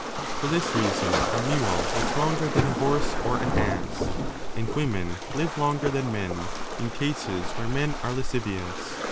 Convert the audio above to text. For 6 this reason a mule lives longer than a horse or an ass, and women live longer than men, in cases where men are lascivious.